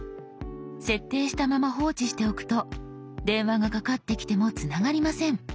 設定したまま放置しておくと電話がかかってきてもつながりません。